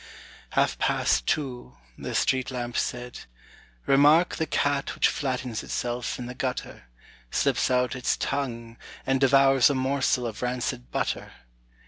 Half past two, The street lamp said, âRemark the cat which flattens itself in the gutter, Slips out its tongue And devours a morsel of rancid butter.